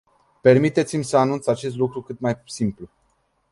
Permiteți-mi să enunț acest lucru cât mai simplu.